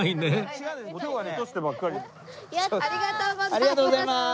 ありがとうございます。